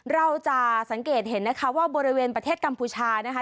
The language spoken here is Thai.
เราจะสังเกตเห็นนะคะว่าบริเวณประเทศกัมพูชานะคะ